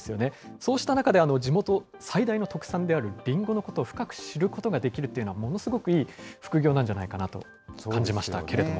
そうした中で、地元最大の特産であるりんごのことを深く知ることができるというのはものすごくいい副業なんじゃないかなと感じましたけれども。